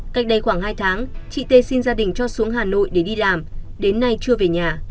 cách đây khoảng hai tháng chị t xin gia đình cho xuống hà nội để đi làm đến nay chưa về nhà